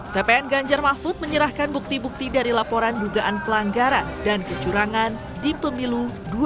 tpn ganjar mahfud menyerahkan bukti bukti dari laporan dugaan pelanggaran dan kecurangan di pemilu dua ribu sembilan belas